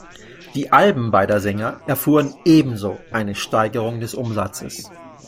Die Alben beider Sänger erfuhren ebenso eine Steigerung des Umsatzes.